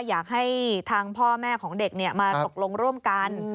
อยากให้ทางพ่อแม่ของเด็กมาตกลงร่วมกัน